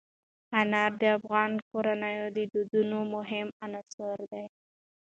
انار د افغان کورنیو د دودونو مهم عنصر دی.